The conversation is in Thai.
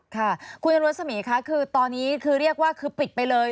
ค่ะคุณตำรวจสมีค่ะคือตอนนี้คือเรียกว่าคือปิดไปเลย